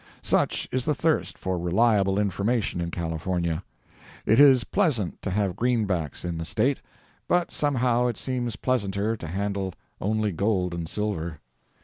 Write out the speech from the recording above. Such is the thirst for reliable information in California. It is pleasant to have greenbacks in the State, but somehow it seems pleasanter to handle only gold and silver.